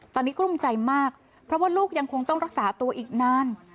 ตอนนี้กลุ้มใจมากเพราะว่าลูกยังคงต้องรักษาตัวอีกนาน